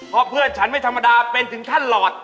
เพราะเพื่อนฉันไม่ธรรมดาเป็นถึงขั้นหลอด